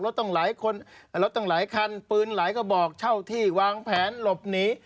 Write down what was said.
รถตั้งหลายคันปืนหลายกระบอกเช่าที่วางแผนหลบหนี